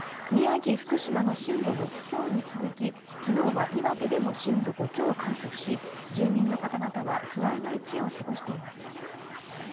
宮城・福島の震度６強に続き昨日は岩手でも震度５強を観測し、住民の方々は不安な一夜を過ごしています。